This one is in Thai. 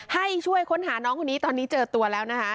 ให้ช่วยค้นหาน้องคนนี้ตอนนี้เจอตัวแล้วนะคะ